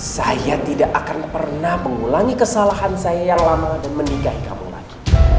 saya tidak akan pernah mengulangi kesalahan saya yang lama dan menikahi kamu lagi